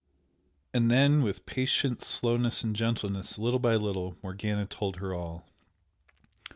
And then, with patient slowness and gentleness, little by little, Morgana told her all.